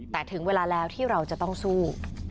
แต่ถึงเวลาแล้วที่เราจะต้องสู้